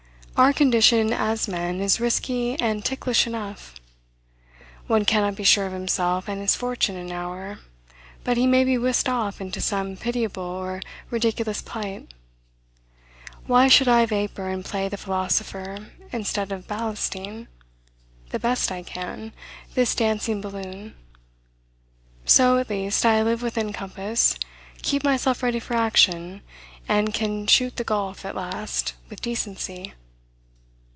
Our condition as men is risky and ticklish enough. One cannot be sure of himself and his fortune an hour, but he may be whisked off into some pitiable or ridiculous plight. Why should I vapor and play the philosopher, instead of ballasting, the best I can, this dancing balloon? So, at least, I live within compass, keep myself ready for action, and can shoot the gulf, at last, with decency.